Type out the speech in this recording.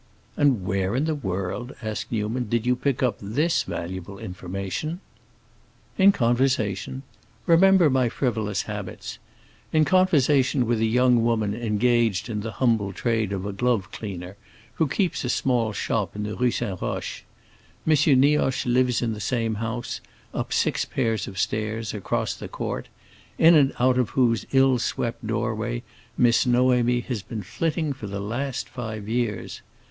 "And where in the world," asked Newman, "did you pick up this valuable information?" "In conversation. Remember my frivolous habits. In conversation with a young woman engaged in the humble trade of glove cleaner, who keeps a small shop in the Rue St. Roch. M. Nioche lives in the same house, up six pair of stairs, across the court, in and out of whose ill swept doorway Miss Noémie has been flitting for the last five years.